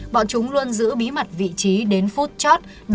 bọn chúng luôn giữ bí mật vị trí đến phút chót